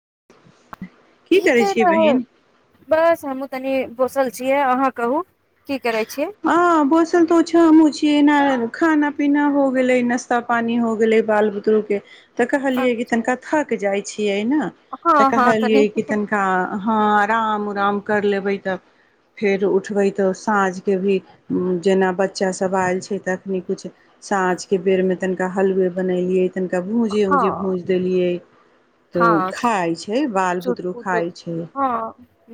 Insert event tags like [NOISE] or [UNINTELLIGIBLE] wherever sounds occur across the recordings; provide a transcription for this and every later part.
[INAUDIBLE] की ठीक करै के छियै रहु बहिन बस हमू तनी बोसल छियै अहाँ कहू की करै छियै ह बोसल तो छ ह्मु [UNINTELLIGIBLE] खाना पीना हो गेलै नाास्ता पानी हो गेलै बाल बुतरु के तऽ कहलिये की अच्छा तनिका थक जाय छी ने तऽ हँ हँ तनी कहलियै कि तनिका हँ आराम उराम कर लेबै तब फेर उठबै तऽ साँझ के भी जेना बच्चा सब आयल छै तऽ अखनी किछु साँझके बेरमे तनिका हलुवे बनेलियै तनिका भूजे ऊजे हँ भूजि देलियै तऽ हँ खाइ छै बाल बुतरू चुटपुट खाइ छै हँ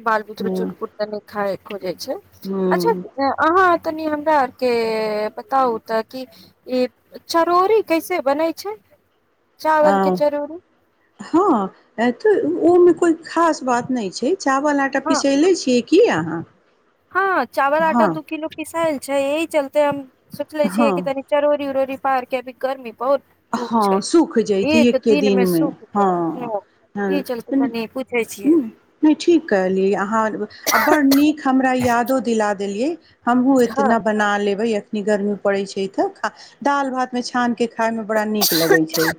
बाल बुत्रुक हूँ चुटपुट तनि खाइ खोजइ छै हूँ अच्छा अहाँ तनि हमरा आरके बताउ तऽ कि ई चरौरी कैसे बनै छै चावल के आ चरोरूरी हँ तऽ ओ मे कोई खास बात नइ छै चावल आटा हँ पिसैले छी की अहाँ हँ चावल आटा हँ दू किलो पिसायल छै यही चल तै हम सुचले छी की हँ तनी चरौरी उरोरी पारके भी गर्मी बहुत धूप छै हँ सुख जैत एक एके दिन मे दिनमे सुख हँ जायत ई चलते तनी पूछे छियै ठीक कहलिय अहाँ आ बड नीक हम हमरा यादो दिला देलियै हमहु हँ एतना बना लेबेइ यैख गरमी पड़ै छै तऽ ख दाल भात मे छान के खाय मे बड़ा नीक लगै छै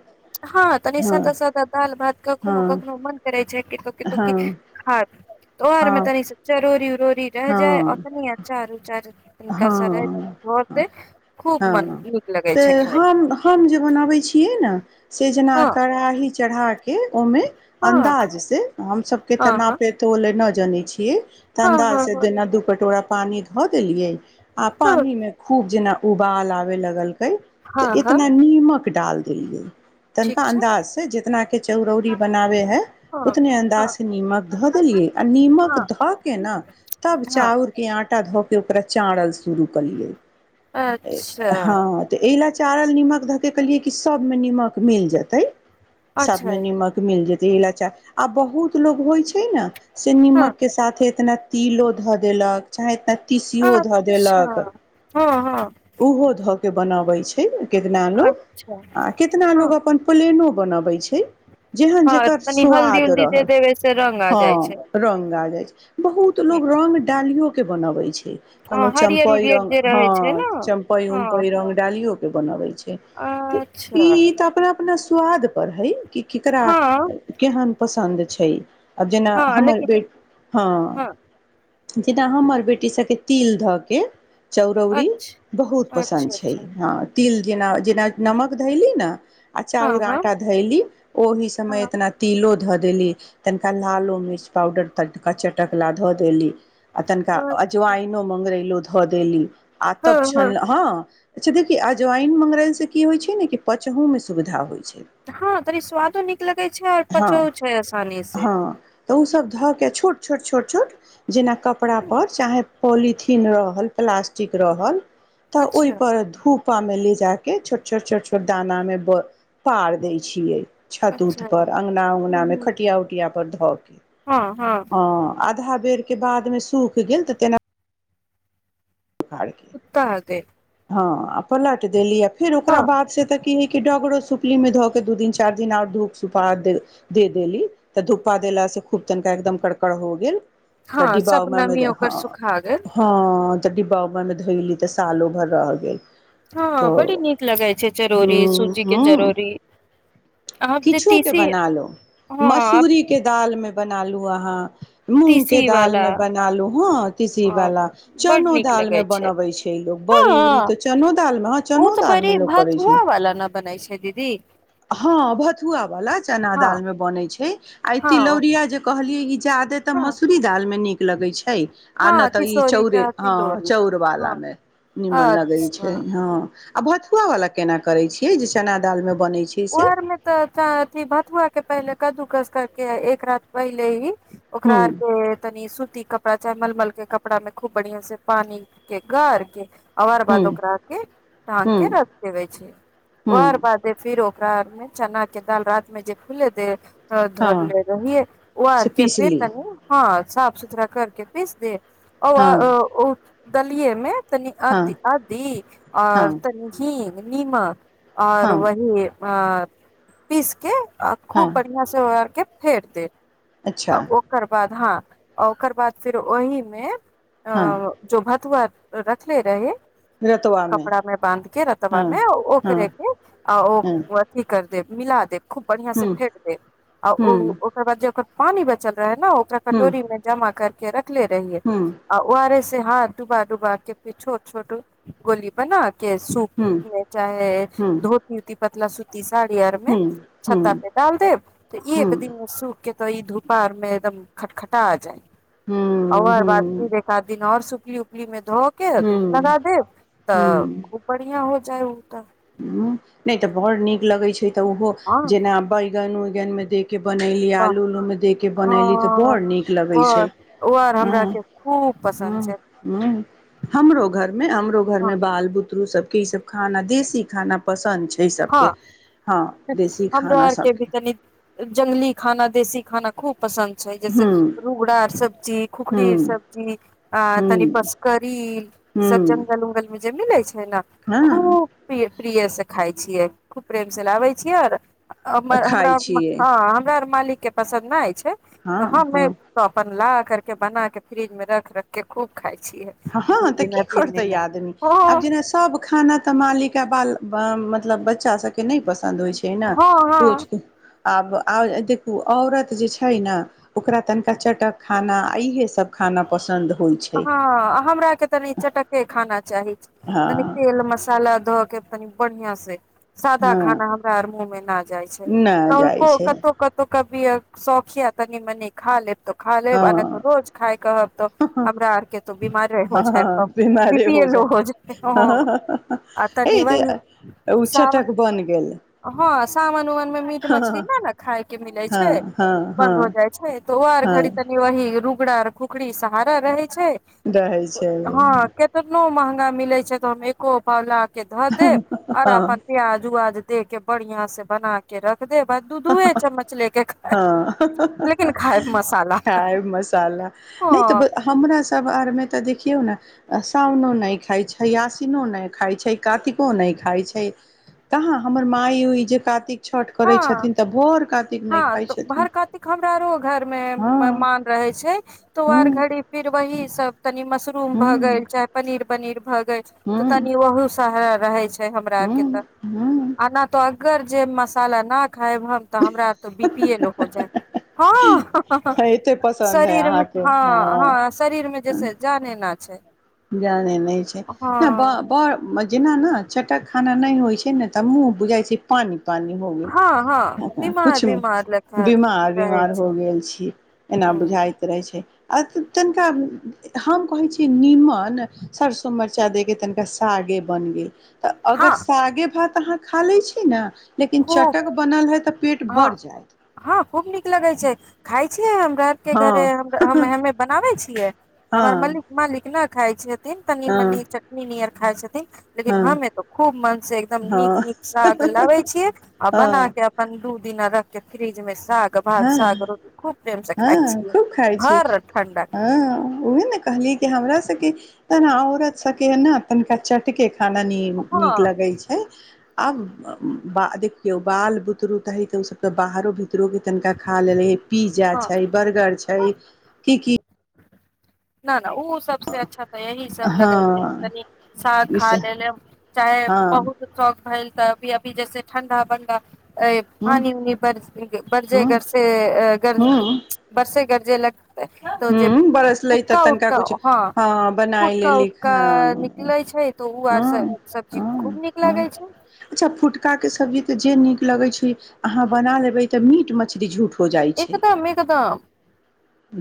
हँ तनी साादा साादा दाल भात कखनो हँ कखनो मन करे छै कि क तूकी हँ खा तोआर मे हँ तनी जरूरी भ रह हँ जाइ अ तनी आचर उचार तनिका सा रह हँ धऽ ह दे खूब मन हँ नीक लगै छै तऽ खाय मे हम हम जे बनाबै छियै ने सेजना हँ करा ही चढ़ा के ओ मे हँ अन्दाज से हम सब के तऽ हँ हँ नापे तो न नै छियै तऽ हँ हँ अन्दाजे हँ देना दू कटोरा पानी धऽ देलियै आ हँ पानी में खूब जेना उबाल आबे लगल तऽ हँ हँ इतना नीमक क डाल देलिअइ तनका ठीक छै अन्दाज से जितना के चौरौरी बनाबे है हँ उतने अन्दाज हँ से नीमक धऽ देलियै आ नीमक हँ धऽ के न तब हँ चाउरके आटा धऽ प [UNINTELLIGIBLE] चाड़ल शुरू कलिअइ अच्छा हँअ् तऽ इ ला चारल नीमक धऽके कलियै कि सबमे नीमक मिल जतै सब अच्छा में अच्छा नीमक मिल जेतै एला अच् आ बहुत लोग होइ छैइ ना से हँ नीमक के साथे एतना तिलो धऽ देलक चाहे एतना इहो धऽ अच्छा देलक हँ हँ उहो धऽ के बनाबै छैइ ना केतना लोग अच्छा कितना हँ लोग अपन प्लेनो बनबै छैइ जेहन हँ जेकर तनी हल्दी स्वाद उल्दी दे रहल देबे से रंग आ हँ जाइ छै रंग आ जाय छैइ बहुत ह लोग रंग डालियो के बनबै छैइ कोनो हँ हरियर चम्पैइ उरियर रंग जे रहै छै ने हँ चम्पैइ हँ उमपैइ हँ रंग डालिइओ के बनाबै छै तऽ अच्छा ई तऽ अपना स्वाद पर हई की केकरा हँ केहन पसन्द छैइ आब जेना हँ हमर लेकिन बेट हँ हँअ् जेना हमर बेटी सकै तिल धऽके चरौरी अच्छा बहुत अच्छा पसन्द छैइ अच्छा हंअ् तिल जेना जेना नमक धइली न हँ अचाउर हँ आटा धयली ओहि समय हँ एतना तिलो धऽ देली तनिका लालो मिर्च पाउडर तनिका चटकला धऽ देली आ तनका अच्छा अजवाईन लो धऽ देली आ तब हँ हँ छन हँअ् अच्छा देखि अजवइन मंगरेल से की होइ छै ने कि पचहु मे सुविधा होइ छै हँ तनी स्वादो नीक लगैत छै ओर हँ पचो छै आसानी से हँ तऽ ओसभ ध क छोट छोट छोट छोट जेना कपड़ा हूँ, पर चाहे पोलिथिन रहल प्लास्टिक रहल तऽ अच्छा ओहिपर धूप पा मे ले जा के छोट छोट छोट छोट दाना में ब पार देय छिये छत उत अच्छा पर अंगगना उङंगगना मे ह खटिया उटिया पर ध हँ हँ ह आध बेर के बाद मे सूख गेल तऽ तेना प उताह गेल हँ पलट देली फेर हँ ओकरा बाद से त की है कि डगरो सुपली मे ध के दू दिन चारि दिन आर धूप सुपा दे देली तऽ धुप्पा देलास से खूब तनिका एकदम करकड़ हो गेल त हँ डीबा सब उबा मे नमी ओकर ह सुखा गेल हँ तऽ डिब्वा उब्बामे धोली तऽ सालो भर रह गेल हँ बड़ी तऽ नीक लगै छै चरौरी सूजी के चरौरी आब जे किछु के तीसी बना लो हँ आब मसूरीे दाल फल मे बन लू अहाँ मूँगके तीसी वाला दालमे बन लू हँ ह तीसीवला बड चनो नीक दालमे लगै बनबै छै लोक हँ बड़ी उरी तऽ चनो दालमे हँ ओ चनो तऽ बड़ी दालमे लोक करै छै भथुआ वाला न बनै छै दीदी हँ भथुआ वालला चना हँ दाल मे बनैइ छै आ हँ तिलौरिया जे कहलियै ई जादे तऽ हँ मसूरी दाल मे निक लगै छै आ नहि हँ तऽ ई तिसौरी चौरे क हँ तिलौरी चौउरवाला हँ मे नीमन लगै छै अच्छा हँ आ भथुआ वाला केना करे छीे जे चना दाल में बने ओर मे तऽ अथी भतुआ के पहिले कदु कस करके एक रात पहिले ही ओकरा हूँ आरके तनी सूती कप कपड़ा चाहे मलमल के कपड़ा में खूब बढ़ियां से पानी के गार के अोर बाद हूँ ओकरा के ढाँंग हूँ के रख देबे छै हूँ ओर बाद ओकरा चना के दाल रात मे जे फुले देब हँ धरले रहिए ओ से आरके फेर पीसली तनी हँ साफ सुथरा करके पीस दे हँ [UNINTELLIGIBLE] गलिये मे तनी हँ आदि आदि आर हँ तनी घी ने निमक आर हँ बै आ पीसके आ हँ खूब बढ़ियां से हो आरके फेर देब अच्छा आ ओकर बाद हाँ ओकर बाद फिर ओहिमे अ हँ जो भातुआ रख ले रहे रतुआमे कपड़ा मे बान्ध के रतबा हँ मे हँ ओकरे के हँ [UNINTELLIGIBLE] कर दे मिला देब खूब बढ़ियां से हूँ फेट दे आ ओ हूँ ओकर बाद जे ओकर पानी बचल रहै न ओकरा हूँ कटोरी मे जमा कर [UNINTELLIGIBLE] ले रहियै हूँ ओ आर एस हाथ डुबा-डुबाकेँ फेर छोट छोट गोली बना केँ सूप चाहे धोकेँ पतला सुती सा सारी आरमे छत्ता पे डाल देब तऽ एक दिन सूखकेँ। तऽ ई धूपा आरमे एकदम खटखटा जाएत। आ ओकर बाद फिर एक-आध दिन आओर सुख कियो पलिमे [UNINTELLIGIBLE] धो केँ धूप लगा देब तऽ खूब बढ़ियां हो चलु तऽ उं नहि तऽ घौर नीक लगैत छै। तऽ ओहो हँ जेना बैंगन उइ गनमे देके के बनइली वाह आलू उलूमे दे के बनइली त हँ बड़ नीक लगइ छै बर वर हमरा ह्न के खूब ह्न पसन्द छै ह्न हमरो घरमे हमरो घरमे हँ बाल बुदरू सब ई सभ खाना देसी खाना पसन्द छै। हँ हँ देशी हमरो खाना आओरकेँ सभके भी तनि जंगली खाना। देशी खाना खूब। पसन्द छै जैसे हँ रुगड़ा आर सब्जी खुखरी आर हँ सब्जी आ हँ तनि बस करिल ई सब हँ जंगल उंगलमे जेबही नै है न हँ खूब पेड़ प्रिय सँ खाय। छियै खूब प्रेमसँ लाबै छियै आर हमर हमरा खाइ आओर मालि छियै हँ हमरा आओर मालिक केँ पसन्द अछि। तऽ हँ हमे हँ तऽ अपन लाएत करके बनाकेँ फ्रिजमे रख रखकेँ खूब खाय छियै हँ दू ह तऽ दिना की तीन करतै दिना आदमी आब हँ जेना सभ खाना तऽ मालिक आ बाल ब मतलब बच्चा सभकेँ नहि पसन्द संद होइ छै न हँ हँ कोइचकेँ आब आओर देखु औरत जे छै ने ओकरा तनिका चटक खाना आ इहे स सभ खाना पसन्द होइत छै। केँ तनी चट्टक्के खाना। चाहैत छी हँ तनी तेल मशाला धऽ केँ तनी बढियां सँ तन सादा हँ खाना हमरा आर मुँहमे न जाइ छै नहि जाइ कौल्हको छै कतहु-कतहु कऽ किए शौख ये तनि मनी खालेब खाल लेब न तअ हँ रोज कहब हमरा आरके त बीमार हो जाइम हँ हम बीमारे बिपि ऐ लो जाइ हो जातइ ह आ तनि हे वहि तऽ ओ सब चटक बनि गेल ह हन सावन उबन मीट हँ मछली न न खााय के मिले हँ छै हँ हँ बन्द हो जाइ छै त ओ आर हँ घड़ी तनि वहि रु पार खुखरी सहारा रहए छै रहै छै हँ केतनो त मह मिलै छै तमे एकोव ल के धऽ दे ओर हँ अपन प्याज उआज दे के बढ़िया से बना के रख देब दू दूये चम्मच लेके खाय हँ लेकिन खायब मसाला हँ नई तऽ ब हमरा सब आर मे तऽ देखियौ ने साओनो नई खाय छैइ आसिनो नहि खाय छैइ कातिको नहि खाय छैइ कहां हमर माय उई जे कातिक छठ करै हँ छथिन तब भअ्र कातिक नई खाई छथिन में हँ मेहमान रहै छैइ तो आर हूँ घड़ी फिर वही सब तनी मशरूम भ हूँ गेल चाहे पनीर पनीर भग तऽ हूँ तनि ओहू सह रहै छैइ हमरा आरके हूँ तऽ हूँ आना तऽ अ घर जे मस्त च ने खएब हम तऽ हमरा तऽ बीपीए लो हो जायत हँअ् एते पसन्द है शरीरमे अहाँके हँ हँअ् हँअ् शरीरमें जैसे जाने न छैइ ज्ञानेने नई छैइ बर ब जेना न पैखाना नई होइ छै ने तऽ मुँह बुझाइ छैइ पानी पानी हो गेल हँ हँ बीमार कुछ बीमार लेखा बिमार रहै बिमार छै हो गेल छी एना ह बुझायइत रहै छैइ आ तनिका हम कहैत छी नीमक सरसो मरचा देके तनिका सागे बन गेल तऽ अगर हँ सागे भात तऽ अहाँ खा लै छी न खूब हँ जायत हँ खूब नीक लगै छैइ खाय छियैइ हम हमरा आर के घरे हँ हमें हमे बनाबै छियै हमर हँ मलिक मालिक ने खाइ छै तनी हँ मनी चटनी नियन खाइछथि लेकिन हँ हमे तो खूब मन से एकदम नीक हँ नीक साग लाबै आ बना हँ के अपन दू दिना रख के फ्रीजमे हँ खाइ हँ छियै खूब खाइ छि भर ठंडा हँ उहे ने कहलि कि हमरा सबके तन औरत सबके ना तनिका चट के खाना नीक हँ लगै छै आब देखियौ बाल बुदरुक त हम ओ सब त बाहरो भीतरो तनिका खा लेलही पिज्जा हँ छै बर्गर छै की की ना ना उसब सबसे अच्छा तऽ यही सब लगे छै कि हँ कनी साग ई खा सब लेले चाहे हँ बहुत शौक भइल तऽभी अभी जैसे ठण्डा बनडा अय हूँ पानी उनी बरजे हूँ गरसे बरसे गरजे जे ल तो ह बरस लै तऽ तनिका कुछ हँ ह फुटका बनायलेली उटका हं निकले छै तऽ ओ आर हं स- सब्जी खूब नीक हं लागै छै अच्छा फुटका क सब्जी जे नीक लगे छै अहाँ बना लेबे तऽ मीट मछली छुठ एकदम एकदम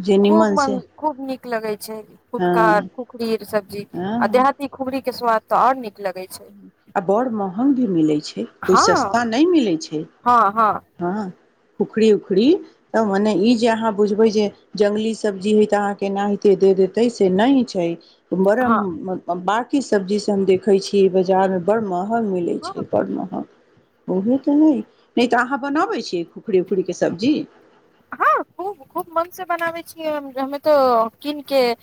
जे निमन खूब से मन खूब नीक लगै छै हँ फुटका खुखरी सब्जी आ हँ देहाती खूबरी के स्वाद त आर निक आ बड़ महंग भी मिलै छै हँ कोइ सस्ता नहि मिलै छै हँ हँ हाँ खुखड़ी उखड़ी तऽ मने ई जे अहाँ बुझबै जे जंगली सब्जी हइ तऽ अहाँ के एनाहिते दे देतै से नहि छै बरम हँ बा की सब्जी से हम देखै छी की बाजार में बड़ महं हम नहि लैत छीयै हँ बड़ महग उहे तऽ हइ नहि तऽ अहाँ बनबै छीयै खुखरी उखुरीकेँ सब्जी हँ खूब खूब मनसँ बनाबैत छीयै हम हम्मे तऽ कीनिकेँ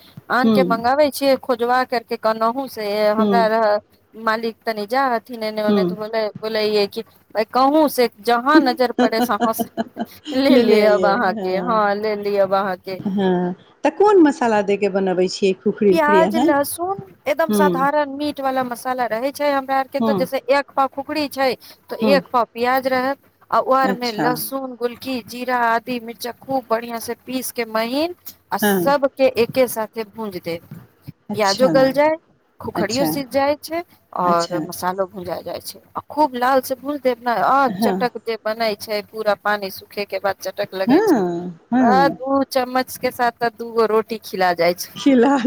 हूँ आनिकेँ मंगाबै छियै खोजबाक करके कन्नहुँसँ सँ हूँ हमरा रहत मालिक तनि जाइ हथि नेने ओने हूँ तऽ बोलइ हियै की आइ कहूँसँ जहाँ नजर पड़ए सहाँसँ ले लेब अहाँ हँ-हँ तऽ कोन मसाला दैए केँ बनाबै छीयै। प्याज लहसुन एकदम हूँ साधारण मीट बाला मसाला रहैत छै हमरा आरके तऽ हूँ जैसे एक पाउ खुखरी छै तऽ हूँ एक पाउ पियाज रहत आ ओहि आरमे अच्छा लहसुन गुल की जीरा आदी मिर्चा खूब बढ़ियांसँ पीसकेँ महींन आ हँ सभकेँ एके साथे भूंजि तब अच्छा प्याजो गलि जाय खुखड़ियो अच्छा सिझ जाइत छै अच्छा आओर मसालो भूंजाइ जाइत छै आ खूब लालसँ भुजि देब ने आओर हँ चटक जे बनैत छै पूरा पानी सुखे केँ बाद चटक लगैत छै हँ तऽ हँ दू चम्मच। उसके साथ साथ दूगो रोटी खिला जाइत छै।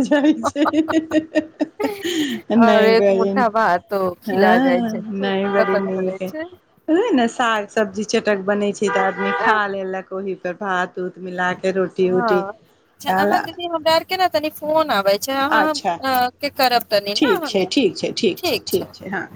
पड़ैछै ह-ह-ह-ह-ह और नहि एक बड़ी मुठ्ठा नीक भातो खिला जाइ हैंय छै खूब नहि बड़ी पसन्द पड़ै छै नीक साग सब्जी चटक बने तऽ आदमी हँ खा लेलक ओहि पर भात-उत मिलाकेँ। रोटी उटी आएल आ केँना तनी फोन आबइ छै अहाँ हम अहाँकेँ करब तनी न ठीक छै हम्मे ठीक छै ठीक छै। हँ